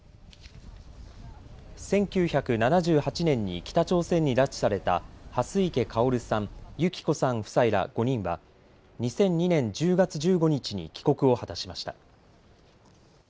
１９７８年に北朝鮮に拉致された蓮池薫さん、祐木子さん夫妻ら５人は２００２年１０月１５日に帰国を果たしました。